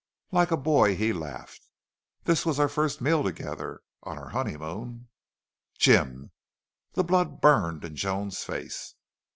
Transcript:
Like a boy he laughed. "This was our first meal together on our honeymoon!" "Jim!" The blood burned in Joan's face.